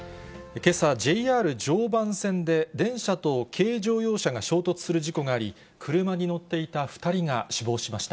けさ、ＪＲ常磐線で電車と軽乗用車が衝突する事故があり、車に乗っていた２人が死亡しました。